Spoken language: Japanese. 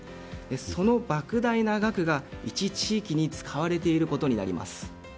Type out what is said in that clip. その莫大な額が一地域に使われていることになります。